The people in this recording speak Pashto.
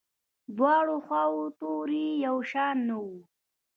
دواړو خواوو توري یو شان نه وو.